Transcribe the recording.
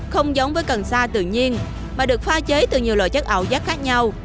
không giống với cần sa tự nhiên mà được pha chế từ nhiều loại chất ảo giác khác nhau